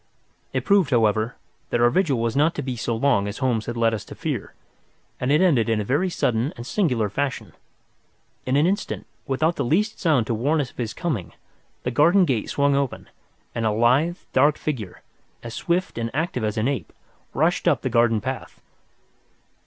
It proved, however, that our vigil was not to be so long as Holmes had led us to fear, and it ended in a very sudden and singular fashion. In an instant, without the least sound to warn us of his coming, the garden gate swung open, and a lithe, dark figure, as swift and active as an ape, rushed up the garden path.